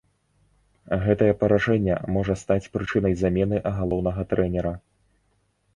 Гэтае паражэнне можа стаць прычынай замены галоўнага трэнера.